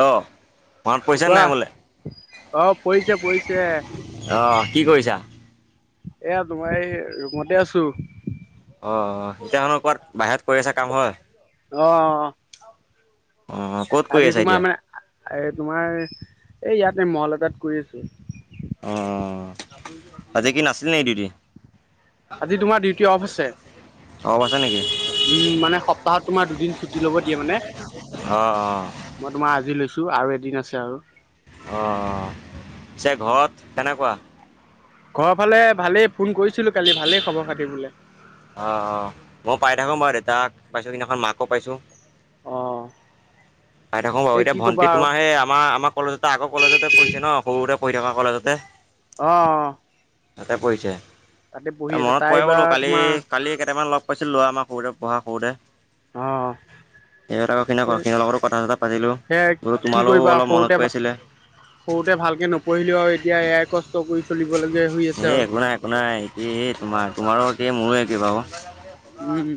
অ মনত পৰিছেনে কোৱা নাই বোলে অ পৰিছে পৰিছে অঁ কি কৰিছা এয়া তোমাৰ এই ৰুমতে আছো অ এতিয়া কোৱাত বাহিৰত কৰি আছা কাম হয় অ', অ', অ'। অ', ক'ত কৰি আছা এতিয়া? আৰে তোমাৰ এই ইয়াতে মল এটাত কৰি আছোঁ। অ', অ', আজি কি নাছিল নে দেউটি? আজি তোমাৰ ডিউটি অফ আছে অব [unintelligible] আছে নেকি উম', মানে সপ্তাহত তোমাৰ দুদিন ছুটি ল'ব দিয়ে মানে, অ', মই তোমাৰ আজি লৈছো। আৰু এদিন আছে আৰু অ অ পিচে ঘৰত কেনেকুৱা ঘৰৰ ফালে ভালেই ফোন কৰিছিলো কালি ভালেই খবৰ খাতি বোলে অ', অ', মই পাই থাকো বাৰু দেউ তাক পাইছো সেইদিনাখন মাকো পাইছো অ পাই থাকোঁ বাৰু এই এতিয়া কি কবা ভণ্টি আৰু তোমাৰ সেই আমাৰ আমাৰ কলেজতে আগৰ কলেজতে পঢ়িছে ন সৰুতে পঢ়ি থকা কলেজতে অ', অ', অ'। তাতে পৰিছে, মনত তাই পৰে বোলো এইবাৰ তোমাৰ কালি-কালি কেইটামানক লগ পাইছিলো ল'ৰা আমাৰ সৰুতে মই সৰুতে, অ সিহঁত আকৌ কেনেকুৱা সেই সিহঁতৰ লগতো থা পাতিলো সেয়া বোলো কি তোমালও কৰিবা অলপ মনত পৰি সৰুতে আছিলে। সৰুতে ভালকে নপঢ়িলো আৰু এতিয়া এয়াই কষ্ট কৰি চলিবলগীয়া হৈ আছে এই আৰু। একো নাই একো নাই, তোমাৰ তোমাৰো একে মোৰো একে বাৰু। উম, উ,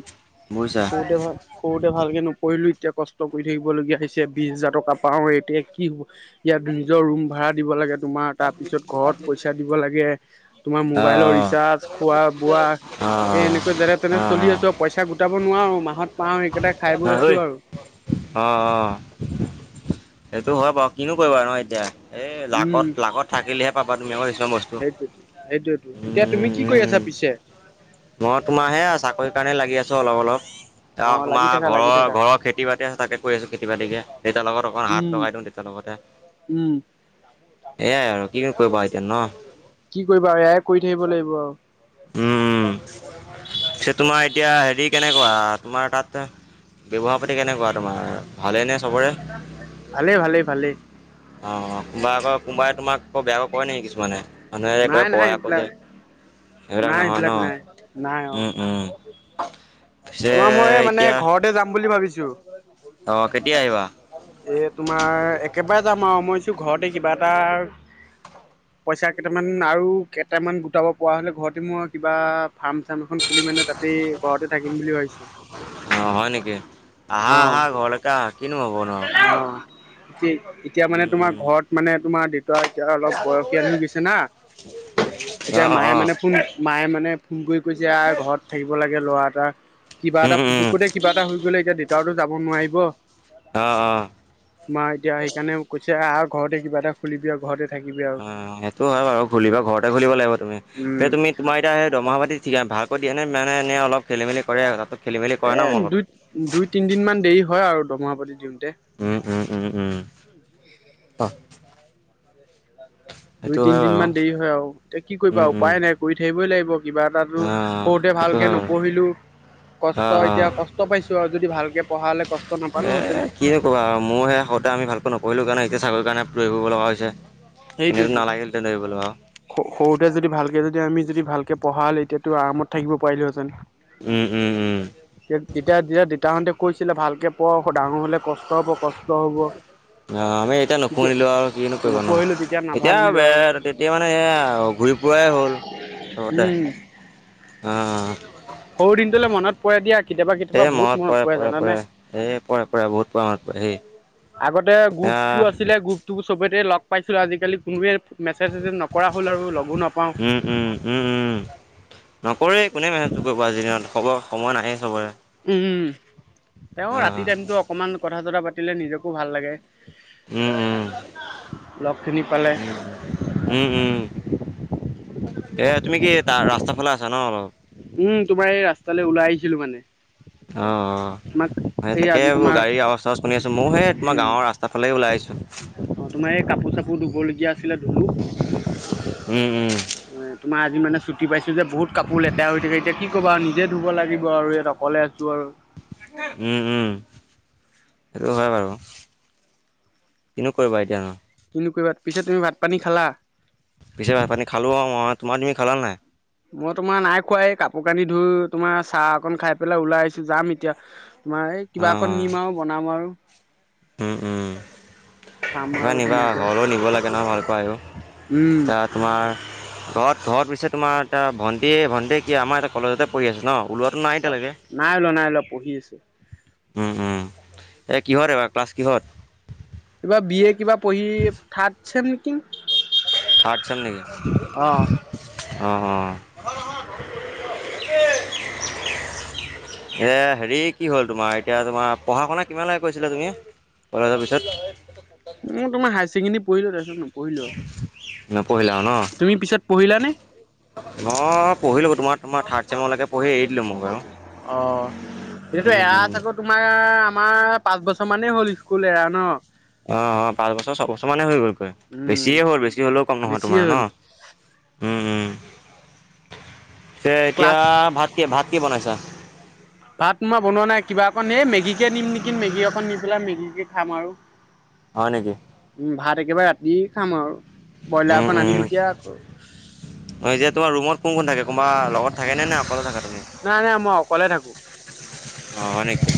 বুজিছা সৰুতে ভাল সৰুতে তে ভালকে নপঢিলো এতিয়া কষ্ট কৰি থাকিব লগীয়া হৈছে, বিশ হাজাৰ টকা পাও এতিয়া কি হ'ব ইয়াত নিজৰ ৰুম ভা়ড়া দিব লাগে তোমাৰ তাৰ পিছত ঘৰত পইচা দিব লাগে, তোমাৰ মোবাইলৰ অ', ৰিচাৰ্জ, খোৱা বোৱা অ', সেই অ', এনেকেই যেনে তেনে চলি আছো আৰু পইচা গোটাব নোৱাৰো মাহত পাওঁ সেইকেইটা খাই হ বৈ [unintelligible] আছো ই আৰু। অ', অ', সেইটো হয় বাৰু কিনো কৰিবা নহয় এতিয়া, এই উম, লাকত-লাকত থাকিলেহে পাবা তুমি আকৌ কিছুমান বস্তু। সেইটোৱেতো সেইটোৱেতো এতিয়া উম, তুমি কি কৰি আছা উম, পিছে? মই তোমাৰ হেয়া আৰু চাকৰিৰ কাৰণে লাগি আছো অলপ অলপ। অ, ত লাগি তোমাৰ থাকা লাগি ঘৰৰ থাকা ঘৰৰ খেতি বাতি আছে তাকে কৰি আছো খেতি বাতিকে দেতা লগত অকণ হাত উম, লগাই দিওঁ দেতা লগত। লগতে উম। এয়াই আৰু কৰিবা এতিয়া ন কি কৰিবা আৰু, এয়াই কৰি থাকিব লাগিব আৰু। উম, উম। ব ম [unintelligible] এ তোমাৰ এতিয়া হেৰি কেনেকুৱা তোমাৰ তাত ব্যৱহাৰ পাতি কেনেকুৱা তোমাৰ, ভালে নে? চবৰে? ভালেই ভালেই ভালেই। কোনোবাই আক' কোনোবাই তোমাক আকৌ বেয়াকে কয় নেকি কিছুমানে, মানুহে আক' কই নাই নাই নহয় আকৌ এইবিলাক যে। নাই নহয় ন? সেইবিলাক নাই, নাই অ'। উম, উম, পিছে তোমাৰ মই মানে এতিয়া ঘৰতে যাম বুলি ভাবিছো। এ অ', কেতিয়া আহিবা? তোমাৰ একেবাৰে যাম আৰু, মইছো ঘৰতে কিবা এটা পইচা কেইটামান আৰু কেইটামান গোটাব পৰা হ'লে ঘৰতে মই কিবা ফাৰ্ম চাৰ্ম এখন মানে তাতেই ঘৰতে থাকিম বুলি ভাবিছো। অ', হয় নেকি, আহা আহা ঘৰলৈকে আহা কিনো হ'ব নো অ এতিয়া মানে তোমাৰ, ঘৰত মানে তোমাৰ দে ত দেতা অলপ অ', বয়সীয়াল হৈ গৈছে না, এতিয়া মায়ে অ', মানে ফোন মায়ে মানে ফোন কৰি কৈছে আহ ঘৰত থাকিব লাগে ল'ৰা এটা, কিবা উম, এটা উম, পুতুকতে কিবা এটা হৈ গ'লে এতিয়া দেউতাউটো যাব নোৱাৰি, অ', অ'। মা এতিয়া সেইকাৰণে কৈছে আৰু ঘৰতে কিবা এটা খুলিবি আৰু ঘৰতে থাকিবি আৰু অ', সেইটো হয় বাৰু খুলিবা ঘৰতে খুলিব লাগিব তুমি, উম এই তুমি তোমাৰ এতিয়া এই দমহা পাতি ঠিক ভা কৰি দিয়ে নে মানে এনে অলপ খেলি মেলি কৰে তাতো খেলি মেলি কৰে ন এ মলত দুই-দুই তিনদিনমান দেৰি হয় আৰু দমহা পাতি দিওঁ উম, উম, উম, উম [unintelligible] দুই সেইটো হয় বাৰু তিনদিনমান দেৰি হয় আৰু, এতিয়া কি কৰিবা উম উম উপায় নাই কৰি থাকিবই লাগিব কিবা এটাতো, অ সৰুতে সেইটো ভালকে হয় বাৰু নপঢ়িলোঁ। অ কষ্ট অ এতিয়া কষ্ট পাইছো আৰু যদি ভালকে পঢ়া হ'লে কষ্ট নাপালো এ হেঁতেন। কিনো ক'বা আৰু মই সে-সৰুতে আমি ভালকৈ নপঢ়িলো কাৰণে এতিয়া চাকৰিৰ কাৰণে দৌৰি ফুৰিব লগা হৈছে এনেতো সেইটোৱেটো নালাগিলহেঁতেন দৌৰিবলৈ আৰু সৰুতে যদি ভালকে যদি আমি যদি ভালকে পঢ়া হ'লে এতিয়াতো আৰামত থাকিব পাৰিলোহেঁতেন উম উম উম তেতিয়া যেতিয়া তাহঁতে কৈছিলে ভালকৈ পঢ় ডাঙৰ হ'লে কষ্ট হ'ব কষ্ট হব। অ', আমি এতিয়া তেতিয়া নুশুনিলো আৰু কি নো কৰিবা নপঢ়িলো তেতিয়া এতিয়া নাভাবিলো আৰু তেতিয়া মানে এয়া ঘূৰি ফুৰাাই হ'ল। চবতে উম, অ অ সৰু দিনটোলৈ মনত পৰে দিয়া কেতিয়াবা কেতিয়াবা এ বহুত মনত পৰে পৰে জানানে। পৰে, এ পৰে পৰে বহুত পৰে মত পৰে হেই আগতে গ্ৰুপটো আছিলে গ্ৰুপটো চবতে লগ পাইছিলো আজিকালি কোনোৱে মেছেজ চেচেজ নকৰা হ'ল আৰু লগো নাপাওঁ [inaudible] উম উম উম উম নকৰে কোনে মেনেজটো কৰিব আজি দিনত খবৰ সময় নাহেই চবৰে। উম, তেওঁ অ ৰাতি টাইমতো অকমান কথা চথা পাতিলে নিজকো ভাল লাগে। উম, লগ খিনি পালে উম। [inaudible] উম, উম। এ তুমি কি তা-ৰাস্তাফালে আছা ন অলপ। উম, তোমাৰ এই ৰাস্তালে ওলাই আহিছিলো মানে। অ', অ'। তোমাক সেই এই তাকে আজি বোলো তোমাৰ গাড়ীৰ আৱাজ চাৱাজ শুনি আছো, ময়ো সেই তোমাৰ উম গাঁৱৰ ৰাস্তা ফালেই ওলাই আহিছো। অ', তোমাৰ এই কাপোৰ চাপোৰ ধুবলগীয়া আছিলে ধুলু [inaudible] উম উম তোমাৰ আজি মানে চুটি পাইছো যে বহুত কাপোৰ লেতেৰা হৈ থাকে এতিয়া কি ক'বা আৰু নিজে ধুব লাগিব আৰু ইয়াত অকলে ছো আৰু। [unintelligible] উম, উম। সেইটো হয় বাৰু, কিনো কৰিবা এতিয়ানো। কিনো কৰিবা, পিছে তুমি ভাত পানী খালা?। পিছে ভাত পানী খালো আৰু মই তোমাৰ তুমি খালা নাই?। মই তোমাৰ নাই খোৱা এই কাপোৰ কানি ধুই তোমাৰ চাহ অকন খাই পেলাই ওলাই আহিছো যাম এতিয়া তোমাৰ এই অ কিবা অকণ নিম আৰু বনাম আৰু। উম, উম। খাম এ আৰু নিবা ধুনীয়াকৈ ঘৰলেও নিব লাগে নহয় ভালপোৱা এইবোৰ। উম আ তোমাৰ ঘৰত-ঘৰত পিছে তোমাৰ এটা ভণ্টি-ভণ্টিয়ে কি আমাৰ এটা কলেজতে পঢ়ি আছে ন?। ওলোৱাটো নাই অ, এতিয়ালৈকে নাই ওলোৱা নাই ওলোৱা পঢ়ি আছে। উম, উম। এ কিহত এইবাৰ ক্লাছ কিহত?। কিবা বি এ কিবা পঢ়ি থাৰ্ড চেম নেকিং। [inaudible] থাৰ্ড অ চেম নেকি [inaudible] অ', অ' [inaudible] [inaudible] এ হেৰি কি হ'ল তোমাৰ এতিয়া তোমাৰ পঢ়া শুনা কিমানলেকে কৰিছিলা তুমি?। কলেজৰ পিছত। মই তোমাৰ হায়াৰ ছেকেণ্ডেৰী পঢ়িলো তাৰপিছত নপঢ়িলা আৰু ন নপঢ়িলো। তুমি পিছত পঢ়িলা নে?। মই পঢ়িলো তোমাৰ-তোমাৰ থাৰ্ড চেমলেকে পঢ়ি এৰি দিলো মই বাৰু। অ', এইটো উম এৰা উম চাগৌ তোমাৰ মাৰ পাঁচ বছৰ মানেই হ'ল স্কুল এৰা ন। অ', অ', পাঁচ বছৰ ছবছৰ মানে হৈ গ'ল। [unintelligible] উম বেছিয়ে হ'ল বেছি হ'লেও কম নহয় বেছিয়ে তোমাৰ ন?। হ'ল হুম, হুম। পিছে এতিয়া ক্লাছ ভাত কি ভাত কি বনাইছা?। ভাত মই বনোৱা নাই, কিবা অকণ এই মেগীকে নিম নেকি মেগী অকণ নি পেলাই মেগীকে খাম আৰু। হয় নেকি। উম ভাত একেবাৰে ৰাতি খাম আৰু, ব্ৰইলাৰ উম অকণ আনিম উম এতিয়া আকৌ এতিয়া তোমাৰ ৰুমত কোন কোন থাকে? কোনোবা লগত থাকে নে নে অকলে থাকা তুমি? নাই নাই মই অকলে থাকো। অ', হয় নিকি।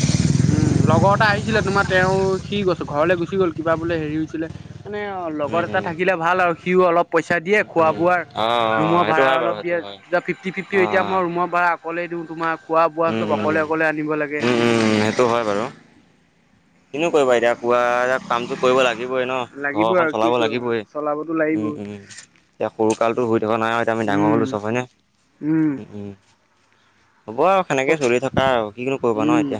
উম, লগৰ এটা আহিছিলে তোমাৰ তেওঁ সি গছ-ঘৰলৈ গুচি গ'ল কিবা বোলে হেৰি হৈছিলে। মানে অ, লগত উম এটা উম থাকিলে ভাল আৰু সিও অলপ পইচা দিয়ে খোৱা উম বোৱাৰ অ অ ৰুমৰ সেইটো ভাড়া হয় বাৰু অলপ সেইটো দিয়ে, হয় দুটা ফিফ্টি ফিফ্টি অ এতিয়া মই ৰুমৰ ভাড়া অকলেই দো, তোমাৰ খোৱা বোৱা উম চব উম অকলে-অকলে আনিব লাগে। উম উম সেইটো হয় বাৰু। কিনো কৰিবা এতিয়া কোৱা, এ কামটো কৰিব লাগিবই ন', লাগিব ঘৰখন আৰু কি চলাব কৰিম লাগিবই চলাবতো উম, লাগিবই উম, এতিয়া সৰুকালটো হৈ থকা নাই আৰু এতিয়া আমি ডাঙৰ উম হ'লোঁ চব হয়নে। উম, উম। হ'ব আৰু সেনেকে চলি থকা আৰু, কি কিনো কৰিবা ন', উম এতিয়া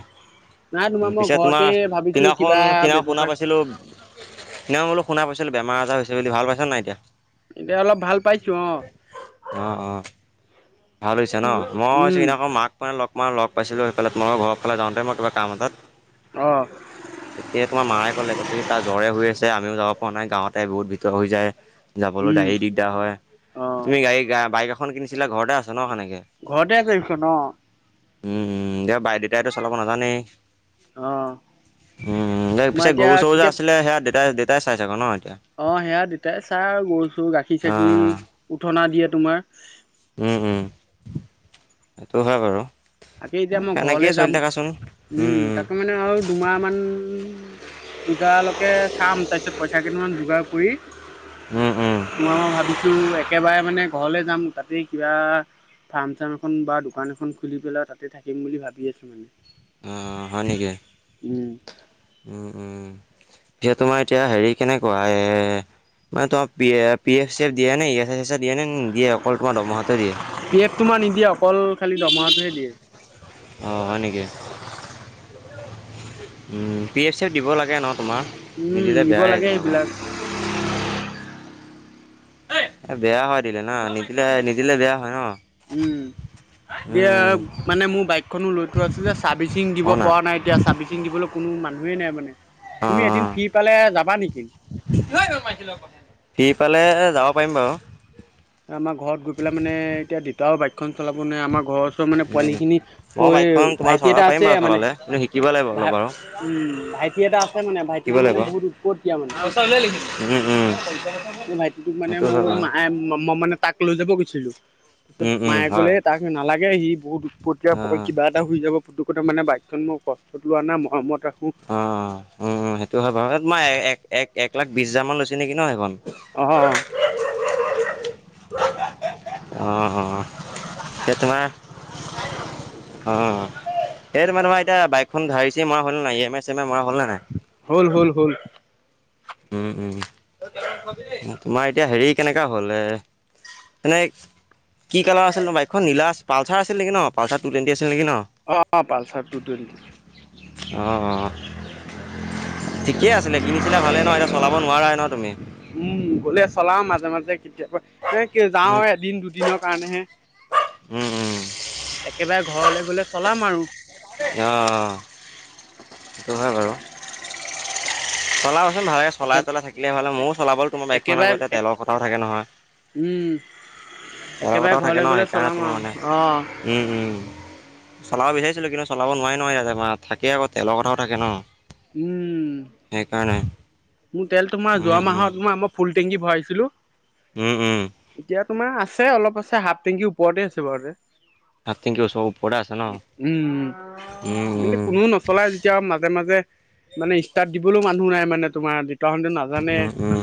নাই তোমাৰ উ, মই পিছে ঘৰতে তোমাৰ ভাবিছো কিবা সিদিনাখন-সিদিনাখন শুনা ব্যৱসায় পাইছিলো সদিনাখন বোলো শুনা পাইছিলো বেমাৰ আজাৰ হৈছিল বুলি ভাল পাইছা নাই এতিয়া? এতিয়া অলপ ভাল পাইছো অ'। অ', অ', ভাল হৈছে কি ন', মইছো উম সিদিনাখন মাক মানে লগ মাক লগ পাইছিলোঁ সেইফালে তোমালোকৰ ঘৰ ফালে যাওঁতে মই কিবা কাম এটাত অ'। তেতিয়া তোমাৰ মায়ে ক'লে কৈছে কি তাৰ জ্বৰে হৈ আছে আমিও যাব পৰা নাই গাঁৱতে বহুত ভিতৰ হৈ যায় যাবলৈ উম গাড়ী দিগদাৰ হয়, অ তুমি গাড়ী বাইক এখন কিনিছিলা ঘৰতে আছে ন সেনেকে ঘৰতে আছে সেইখন অ'। উম উম, দিয় বাইক দেউতাইতো চলাব নাজানেই অ'। উম, উম, তোমাৰ পিছে এতিয়া গৰু চৰু যে কেতিয়া আছিলে সেয়া দেউতাই- দেউতাই চাই চাগে ন'। এতিয়া অ', সেয়া দেতাই চাই আৰু গৰু চৰু গাখীৰ চাখি অ', উঠনা দিয়ে তোমাৰ। উম, উম, সেইটো হয় বাৰু। তাকে এতিয়া মই ঘৰলে সেনেকেই যাম, চলি থাকাচোন উম, তাকে মানে আৰু দুমাহ মান পূজালৈকে চাম তাৰপিছত পইচা কেইটামান যোগাৰ কৰি উম, উম, উম, মই ভাবিছো একেবাৰে মানে ঘৰলে যাম, তাতে কিবা ফাৰ্ম চাৰ্ম এখন বা দোকান এখন খুলি পেলাই তাতে থাকিম বুলি ভাবি আছো মানে। অ', হয় নেকি, উম উম, উম। এয়া তোমাৰ এতিয়া হেৰি কেনেকুৱা এ মানে তোম পি এফ চি এফ দিয়ে নে দিয়ে নে নিদিয়ে? অকল তোমাৰ দৰমহাতোৱে দিয়ে। পি এফ তোমাৰ নিদিয়ে অকল খালি দৰমহাটোহে দিয়ে অ', হয় নেকি। উ, পি এফ চি দিব লাগে ন', তোমাৰ উম নিদিলে দিব বেয়াই লাগে তোমাৰ সেইবিলাক এ বেয়া হয় দিলে ন', নিদিলে-নিদিলে বেয়া হয় ন'। উম। উম, এতিয়া উম, মানে মোৰ বাইকখনো লৈ থোৱা আছিল যে, চাৰ্ভিচিং দিব অ' না পৰা নাই এতিয়া চাৰ্ভিচিং দিবলৈ কোনো মানুহেই নাই মানে। তুমি এদিন অ', ফ্ৰী পালে যাবা নেকি? অ', সিফালে যাব পাৰিম বাৰু। আমাৰ ঘৰত গৈ পেলাই মানে এতিয়া দেতাও বাইকখ খন চলাব নোৱাৰি, আমাৰ ঘৰৰ ওচৰ মানে পোৱালি উম। খিনি মই হৈ বাইকখন তোমাৰ ভাইটি চলাব এটা পাৰিম আছে বাৰু মানে চলালে কিন্তু শিকিব লাগিব ভা অলপ [unintelligible] বাৰু উম ভাইটি এটা আছে মানে শিকিব ভাইটিটো মানে লাগিব বহুত উৎপতীয়া মানে। উম উম মোৰ ভাইটিটোক মানে সেইটো মোৰ হয় বাৰু মায়ে ম ম মানে তাক লৈ যাব গৈছিলো তাৰপছত উম, উম, মায়ে হয়। ক'লে তাক নালাগে সি বহুত অ প কিবা এটা হৈ যাব পুতু কথা মানে বাইকখন মই কষ্টত লোৱা নাই মৰমত ৰাখো অ উম সেইটো হয় বাৰু তোমাৰ এক এক লাখ বিশ হাজাৰ মান লৈছে নেকি ন সেইখন অ'। অ অ সেই তোমাৰ অ এইটো মানে মই এতিয়া বাইকখন ধাৰিচি মাৰা হ'ল নে নাই ই য়ে মাই চম [unintelligible] মৰা হ'ল নে নাই হ'ল হ'ল হ'ল উম, উম, তোমাৰ এতিয়া হেৰি কেনেকা হ'ল এ মানে কি কালাৰ আছিল বাইকখন নীলা পালচাৰ আছিল নেকি ন', পালচাৰ আছিল নেকি ন অ অ', পালচাৰ টু টুৱেণ্টি। অ', অ', ঠিকেই আছিলে, কিনিছিলা ভাল ন', এতিয়া চলাব নোৱাৰা ন', তুমি উম, তাকে উম যাওঁহে এদিন দুদিনৰ কাৰণেহে উম উম একেবাৰে ঘৰলৈ গলে চলাম আৰু অ সেইটো হয় বাৰু চলা ভালকে একে চাইলাই থাকিলে ভালে ময়ো চলাবলে তোমাৰ বাইকখন আকৌ একেবাৰে তেলৰ কথাও থাকে নহয় উম তেলৰ একেবাৰে কথাও থাকে ঘৰলে ন গ'লে সেইকাৰণে চলাম তোমাৰ আৰু মানে অ' উম উম চলাব বিচাৰিছিলো কিন্তু চলাব নোৱাৰি নহয় তাতে মানে থাকে আকৌ তেলৰ কথাও থাকে ন উম, সেইকাৰণে মোৰ তেল তোমাৰ উম যোৱা উম মাহত মই আমাৰ ফুল টেংকি ভৰাইছিলো উম উম এতিয়া তোমাৰ আছে অলপ আছে হাফ টেংকিৰ ওপৰতে আছে বাৰু এতিয়া হাফটিংকি ওচৰ ওপৰতে আছে ন উ উম উম কিন্তু উম কোনো নচলাই যেতিয়া মাজে মাজে মানে ষ্টাৰ্ট দিবলৈও মানুহ নাই মানে তোমাৰ দেউতাহঁতে নাজানে উম উম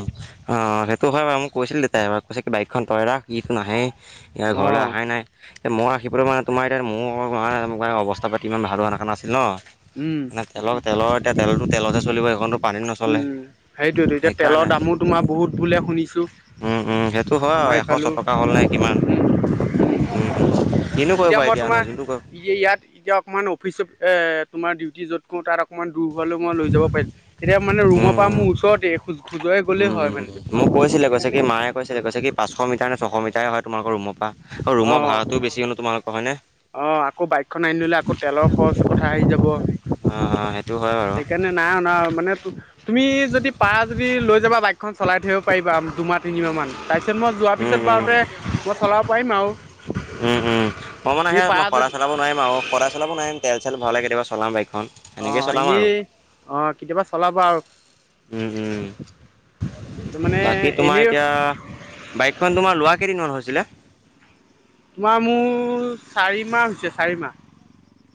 অ সেইটো হয় বাৰু মোক কৈছিল দেউতাই কৈছে কি বাইকখন তই ৰাখ ইটো নাহে ইয়াৰ ঘৰলৈ অ' অহাই নাই মই ৰাখিবলৈ মানে তোমাৰ ইতিয়া মোৰ অৱস্থা পাতি ইমান ভাল হোৱা থকা আাছিল ন উম। মানে তেলৰ তেলৰ এতিয়া তেলতো তেলতহে চলিব সেইখনতো পানী ন উম সেইটোৱেতো এতিয়া তেলৰ দামো তোমাৰ বহুত বুলে শুনিছো উম উম সেইটো হয় আমাৰ আৰু এশ এইফালে ছটকা হ'ল নে কিমান উম উম কিনো [unintelligible] এতিয়া কৰিবা মই ন তোমাৰ যোনটো ক ইয়াত এতিয়া অকণমান অফিচ এ তোমাৰ ডিউটি য'ত কওঁ তাত অকণমান দূৰ হোলো মই লৈ যাব পাৰিম এতিয়া মানে ৰুমৰ পৰা উম মোৰ ওচৰতে খোজ খোজুৱাই গ'লেই উম উম হয় উম মানে সেইকাৰণে পাঁশ মিটাৰ নে ছশ মিটাৰে হয় তোমাৰ ৰুৰ পৰা অ ৰুমৰ ভড়াটোও বেছি হলে তোমালোকৰ হয়নে অ আকৌ বাইকখন আনিলে আকৌ তেলৰ খৰচৰ কথা আহি যাব অ সেইটো হয় বাৰু সেইকাৰণে নাই অনা মানে তুমি যদি পাৰা যদি লৈ যাবা বাইকখন চলাই থাকিব পাৰিবা দুমাহ তিনিমাহ মান তাৰপিছত মই যোৱাৰ উম পিছত উম বাৰুতে মই চলাব পাৰিম আৰু উম উম মই মানে তুমি সেই মই পাৰা যদি সদায় চলাব নোৱাৰিম আৰু সদায় চলাব নোৱাৰিম তেল চেল ভৰালে কেতিয়াবা চলাম বাইক অ এনেকে চলাম আৰু এনেই অ কেতিয়াবা চলাবা আৰু উম তাৰ মানে বাকী তোমাৰ এনেই এতিয়া বাইকখন তোমাৰ লোৱা কেইদিনমান হৈছিলে তোমাৰ মোৰ চাৰি মাহ হৈছে চাৰি মাহ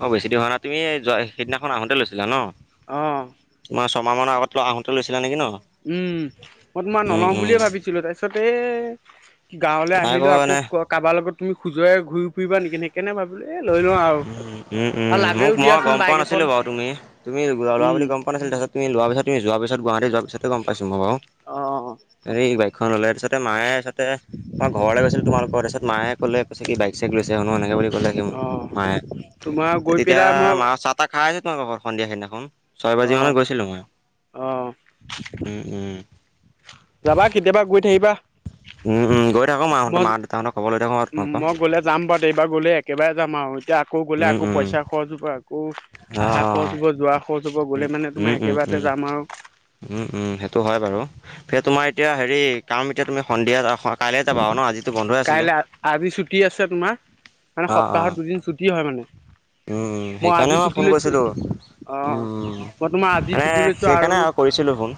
অ বেছি দিন হোৱা নাই তুমি সেইদিনাখন আহোতে লৈছিলা ন অ তোমাৰ ছমাহৰ আগত লোৱা আহোঁতে লৈছিলা নেকি ন উম মই তোমাৰ উম নলওঁ উম বুলিয়ে ভাবিছিলো তাৰপিছতে এ গাঁৱলৈ নাই আহিলো আকৌ এনে কাৰোবাৰ লগত তুমি খোজুৱাই ঘূৰি ফুৰিবা নেকি সেইকাৰনে ভাবিলো এ লৈ লওঁ আৰু উ উম আৰু উম মোক লাগেও মই দিয়াচোন গম পোৱা বাইক এখন নাছিলো বাৰু তুমি তুমি লোৱা উম বুলি গম পোৱা নাছিলো তাৰ পিছত তুমি ল পিছত তুমি যোৱাৰ পিছত, গুৱাহাটী যোৱাৰ পিছতে গম পাইছো মই বাৰু। অ এ এই বাইকখন ল'লে তাৰপিছত মায়ে মই ঘৰলৈ গৈছিলো তোমালোকৰ, তাৰপিছ মায়ে কলে, কৈছে কি বাইক-চাইক লৈছে শুনো এনে বুলি ক'লে মোক অ মায়ে তোমাৰ গৈ তেতিয়া পেলাই মই মা চাহ তাহ খাই [unintelligible] সন্ধিয়া সেইদিনাখন, ছয় বাজি অ মানত গৈছিলো মই। অ উম উম যাবা কেতিয়াবা গৈ থাকিবা। উম, উম, গৈ থাকোঁ মাহঁতৰ মা দেউতাহঁতৰ খবৰ লৈ থাকোঁ আৰু তোমালোকৰ মই-মই গলে যাম বাৰু এইবাৰ গলে একেইবাৰে যাম আৰু এতিয়া আকৌ গ'লে উম, আকৌ উম। পইচা খৰচ হব আকৌ অ', আহা খৰচ অ', হব যোৱা খৰচ হ'ব গ'লে উম মানে তোমাৰ উম উম একেবাৰতে উম যাম আৰু উম উম সেইটো হয় বাৰু পিছে তোমাৰ এতিয়া হেৰি কাম এতিয়া তুমি সন্ধিয়া কাইলৈ যাবা আৰু ন আজি কাইলৈ আজি ছুটি আছে তোমাৰ মানে অ', অ', সপ্তাহত দুদিন ছুটি হয় মানে উম আজি সেইকাৰণে মই ছুটি ফোন লৈছো কৰিছিলো অ উম মই তোমাৰ আজি মানে ছুটি লৈছো সেইকাৰণে আৰু কৰিছিলো ফোন